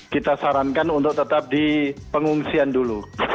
kita sarankan untuk tetap di pengungsian dulu